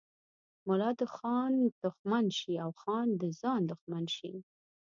ملا د خان دښمن شي او خان د ځان دښمن شي.